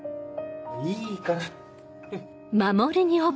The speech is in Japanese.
いいから。